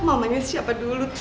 mamanya siapa dulu tuh